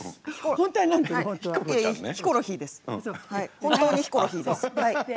本当にヒコロヒーです。